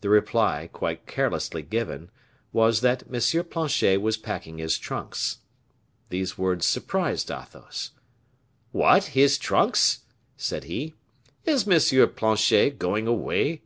The reply, quite carelessly given, was that M. Planchet was packing his trunks. These words surprised Athos. "What! his trunks?" said he; "is M. Planchet going away?"